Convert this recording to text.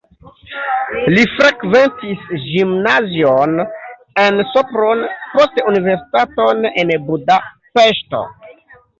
Li frekventis gimnazion en Sopron, poste universitaton en Budapeŝto.